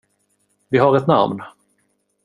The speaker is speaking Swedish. Vi har ett namn.